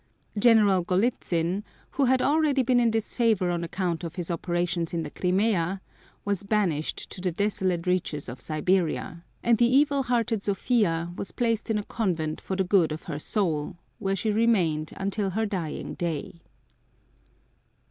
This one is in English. General Golitzyn, who had already been in disfavor on account of his operations in the Crimea, was banished to the desolate reaches of Siberia, and the evil hearted Sophia was placed in a convent for the good of her soul, where she remained until her dying day.